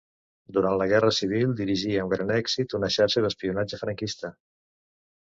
Durant la guerra civil dirigí amb gran èxit una xarxa d'espionatge franquista.